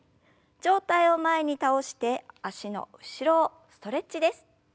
上体を前に倒して脚の後ろをストレッチです。